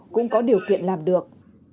cũng có điều kiện làm được